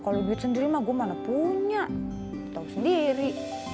kalo duit sendiri mah gua mana punya tau sendiri